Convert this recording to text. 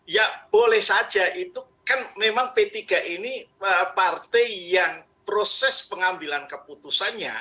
ya boleh saja itu kan memang p tiga ini partai yang proses pengambilan keputusannya